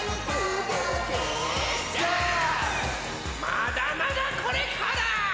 まだまだこれから！